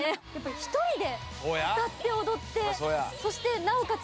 １人で歌って踊ってそしてなおかつ